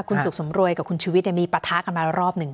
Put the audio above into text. คุณสุขสำรวยกับคุณชีวิตมีปะทะกันมารอบหนึ่ง